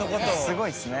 すごいっすね。